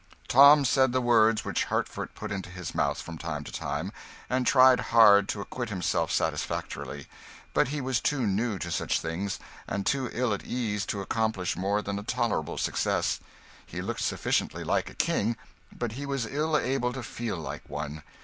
Tom said the words which Hertford put into his mouth from time to time, and tried hard to acquit himself satisfactorily, but he was too new to such things, and too ill at ease to accomplish more than a tolerable success. He looked sufficiently like a king, but he was ill able to feel like one.